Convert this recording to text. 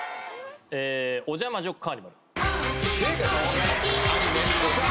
『おジャ魔女カーニバル！！』